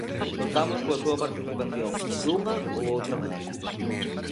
Contamos coa súa participación, dunha ou outra maneira.